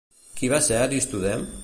Qui va ser Aristodem?